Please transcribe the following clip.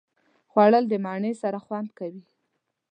خوړل د مڼې سره خوند کوي